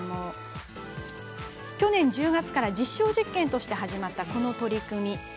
去年の１０月から実証実験として始まった、この取り組み。